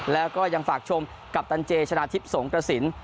แล้วก็ยังฝากชมกัปตันเจชนะทิพย์สงกระสิน